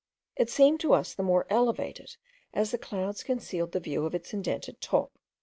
It seemed to us the more elevated, as the clouds concealed the view of its indented top.